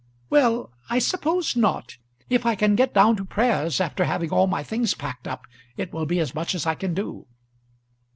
"Well, I suppose not. If I can get down to prayers after having all my things packed up, it will be as much as I can do."